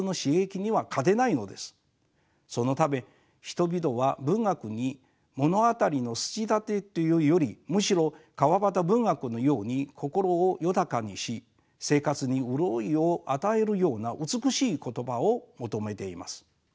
そのため人々は文学に物語の筋立てというよりむしろ川端文学のように心を豊かにし生活に潤いを与えるような美しい言葉を求めています。